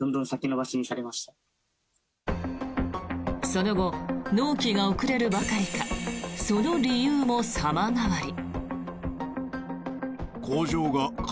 その後、納期が遅れるばかりかその理由も様変わり。